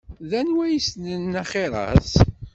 D anwa i yessnen axiṛ-as?